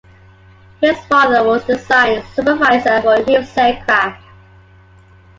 His father was a design supervisor for Hughes Aircraft.